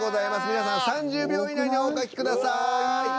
皆さん３０秒以内にお書きください。